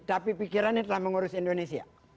tapi pikirannya telah mengurus indonesia